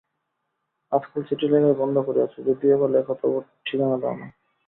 আজকাল চিঠি লেখাই বন্ধ করিয়াছ, যদি-বা লেখ, তবু ঠিকানা দাও না।